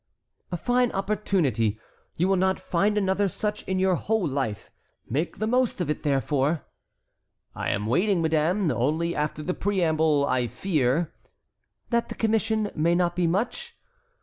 "A fine opportunity; you will not find another such in your whole life. Make the most of it, therefore." "I am waiting, madame, only after the preamble, I fear"— "That the commission may not be much?